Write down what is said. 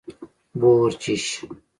🐊 بورچېش